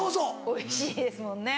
おいしいですもんね。